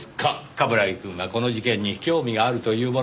冠城くんがこの事件に興味があるというもので。